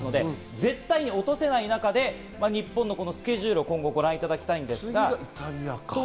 絶対落とせない中で日本のスケジュールを今後、ご覧いただきましょう。